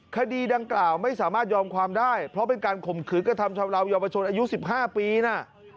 คดีดังกล่าวไม่สามารถยอมความได้เพราะเป็นการข่มขืนกระทำชำราวเยาวชนอายุ๑๕ปีนะ